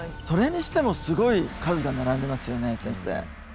それにしてもすごい数が並んでいますよね先生。